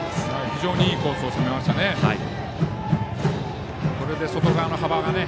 非常にいいコースを攻めましたね。